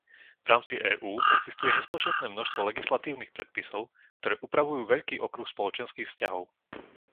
V rámci EÚ existuje nespočetné množstvo legislatívnych predpisov, ktoré upravujú veľký okruh spoločenských vzťahov.